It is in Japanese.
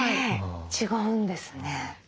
違うんですね。